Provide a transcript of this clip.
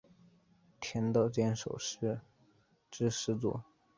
田道间守是之始祖。